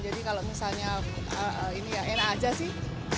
jadi kalau misalnya ini ya enak aja sih